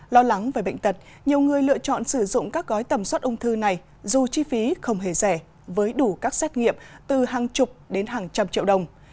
lo lắng về bệnh tật nhiều người lựa chọn sử dụng các gói tầm soát ung thư này dù chi phí không hề rẻ với đủ các xét nghiệm từ hàng chục đến hàng trăm triệu đồng